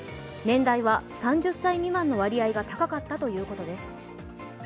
年代は３０歳未満の割合が高かったということです。